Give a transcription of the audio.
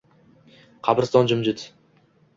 Qabriston jimjit.